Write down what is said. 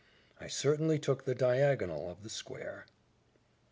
I certainly took the diagonal of the square.